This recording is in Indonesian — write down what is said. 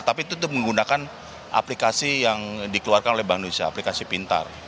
tapi tutup menggunakan aplikasi yang dikeluarkan oleh bank indonesia aplikasi pintar